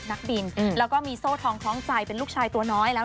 นักบินแล้วก็มีโซ่ทองคล้องใจเป็นลูกชายตัวน้อยแล้ว